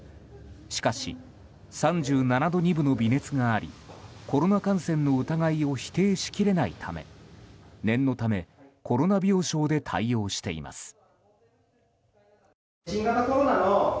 しかし３７度２分の微熱がありコロナ感染の疑いを否定しきれないため念のため、コロナ病床で対応しています。